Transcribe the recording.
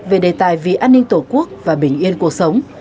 về đề tài vì an ninh tổ quốc và bình yên cuộc sống